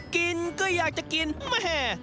กินก็อยากจะกินแม่